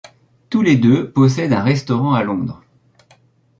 Tous les deux possèdent un restaurant à Londres.